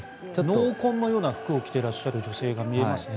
濃紺のような服を着ていらっしゃる女性が見えましたね。